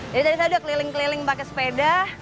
jadi tadi saya udah keliling keliling pake sepeda